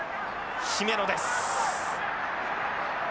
姫野です。